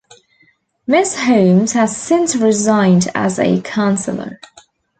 Ms. Holmes has since resigned as a councillor.